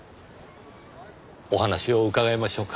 お話を伺いましょうか。